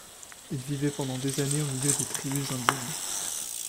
Ils vivaient pendant des années au milieu des tribus indiennes.